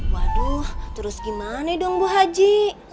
waduh terus gimana dong bu haji